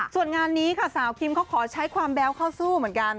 ส่วนงานนี้ค่ะสาวคิมเขาขอใช้ความแบ๊วเข้าสู้เหมือนกัน